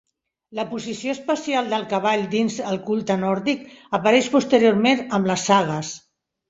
La posició especial del cavall dins el culte nòrdic apareix posteriorment amb les sagues.